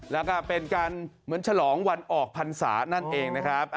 แล้วก็เป็นการเหมือนฉลองวันออกพรรษานั่นเองนะครับ